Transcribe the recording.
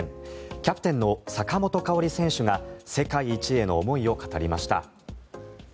キャプテンの坂本花織選手が世界一への思いを語りました。